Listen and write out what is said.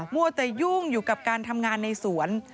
มัวแต่ยุ่งอยู่กับการทำงานในสวน